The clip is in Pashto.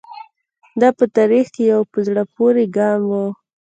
دا په تاریخ کې یو په زړه پورې ګام و.